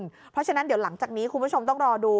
เพราะฉะนั้นเดี๋ยวหลังจากนี้คุณผู้ชมต้องรอดู